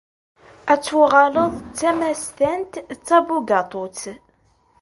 Ad tuɣaleḍ d tamastant, d tabugaṭut.